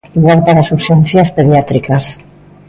Igual para as urxencias pediátricas.